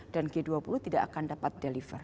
dan g dua puluh tidak akan dapat deliver